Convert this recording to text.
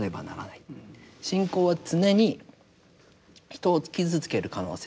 信仰は常に人を傷つける可能性がある。